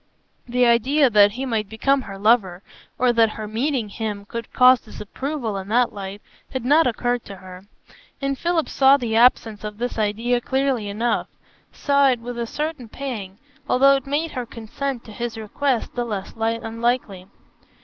The idea that he might become her lover or that her meeting him could cause disapproval in that light, had not occurred to her; and Philip saw the absence of this idea clearly enough, saw it with a certain pang, although it made her consent to his request the less unlikely.